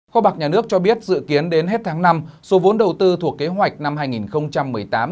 kho bạc nhà nước cho biết dự kiến đến hết tháng năm số vốn đầu tư thuộc kế hoạch năm hai nghìn một mươi tám